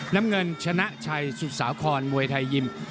น้ำเงินชนะชัยสุสาครมวยไทยยิม